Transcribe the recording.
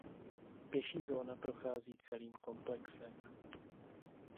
Pěší zóna prochází celým komplexem.